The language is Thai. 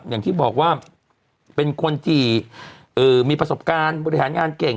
อย่างที่บอกว่าเป็นคนที่มีประสบการณ์บริหารงานเก่ง